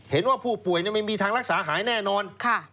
เห็นว่าผู้ป่วยไม่มีทางรักษาหายแน่นอน